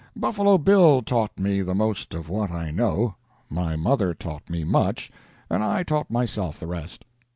Buffalo Bill taught me the most of what I know, my mother taught me much, and I taught myself the rest.